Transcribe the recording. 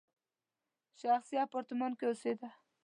شخصي اپارتمان کې اوسېده.